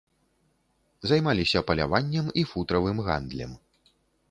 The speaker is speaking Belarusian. Займаліся паляваннем і футравым гандлем.